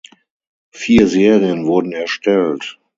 Vier Serien wurden erstellt.